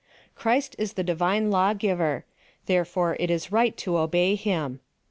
Christ is the divine lawgiver ; therefore it is right to obey him.